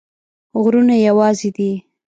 غرونه یوازي دي